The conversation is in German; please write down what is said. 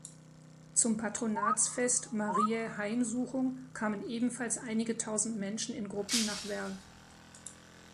Zum Patronatsfest Mariä Heimsuchung kamen ebenfalls einige tausend Menschen in Gruppen nach Werl.